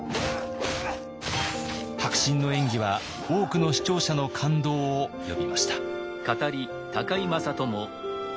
迫真の演技は多くの視聴者の感動を呼びました。